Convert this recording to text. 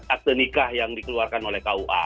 akte nikah yang dikeluarkan oleh kua